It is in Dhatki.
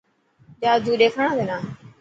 جادو ڏيکاڻا تنا.